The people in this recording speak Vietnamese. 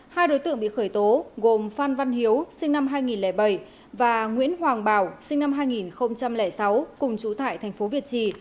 hai đối tượng bị khởi tố gồm phan văn hiếu sinh năm hai nghìn bảy và nguyễn hoàng bảo sinh năm hai nghìn sáu cùng trụ thải tp hcm